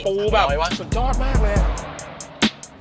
ปูแบบสุดยอดมากเลยนะอร่อยหวะ